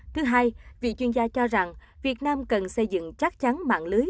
thứ hai vị chuyên gia cho rằng việt nam cần xây dựng chắc chắn mạng lưới